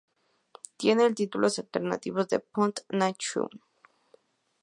Tiene el títulos alternativo de "Put na Jug".